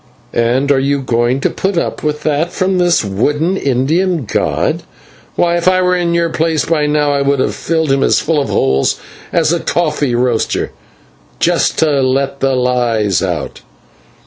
"And are you going to put up with that from this wooden Indian god? Why, if I were in your place, by now I would have filled him as full of holes as a coffee roaster, just to let the lies out."